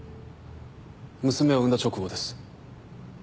娘を産んだ直後です。